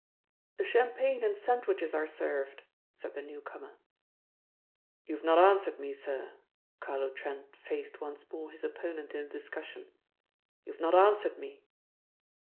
"The champagne and sandwiches are served," said the newcomer. "You've not answered me, sir," Carlo Trent faced once more his opponent in the discussion. "You've not answered me."